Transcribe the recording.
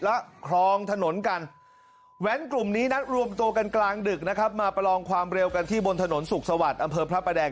และคลองถนนกันแว้นกลุ่มนี้นัดรวมตัวกันกลางดึกนะครับมาประลองความเร็วกันที่บนถนนสุขสวัสดิ์อำเภอพระประแดง